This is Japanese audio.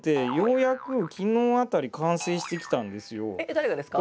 誰がですか？